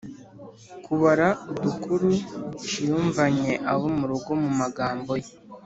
-kubara udukuru yumvanye abo mu rugo mu magambo ye;